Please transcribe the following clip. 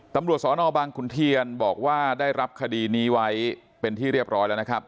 ตำรวจสนบางขุนเทียนบอกว่าได้รับคดีนี้ไว้เป็นที่เรียบร้อยแล้วนะครับ